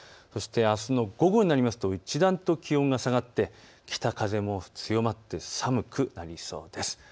そして、あすの午後になりますと一段と気温が下がって北風も強まって寒くなりそうです。